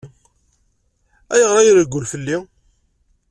Ayɣer i ireggel fell-i?